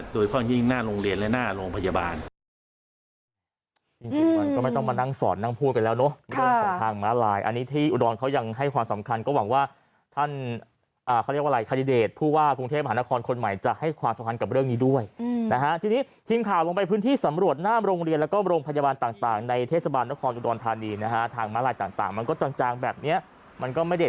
โดยความยิ่งหน้าโรงเรียนและหน้าโรงพยาบาล